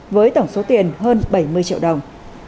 với tổng số tiền hơn bảy mươi triệu đồng